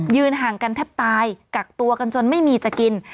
ห่างกันแทบตายกักตัวกันจนไม่มีจะกิน